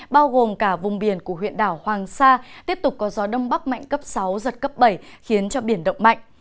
bao gồm cả vùng biển của huyện đảo hoàng sa tiếp tục có gió đông bắc mạnh cấp sáu giật cấp bảy khiến cho biển động mạnh